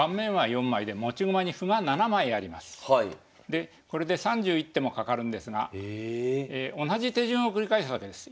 でこれで３１手もかかるんですが同じ手順を繰り返すわけです。